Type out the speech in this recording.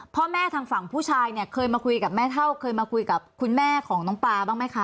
พ่อแม่ทางฝั่งผู้ชายเนี่ยเคยมาคุยกับแม่เท่าเคยมาคุยกับคุณแม่ของน้องปลาบ้างไหมคะ